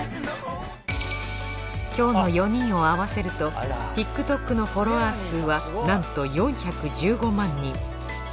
今日の４人を合わせるとＴｉｋＴｏｋのフォロワー数はなんと４１５万人。